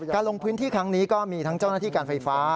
ลงพื้นที่ครั้งนี้ก็มีทั้งเจ้าหน้าที่การไฟฟ้า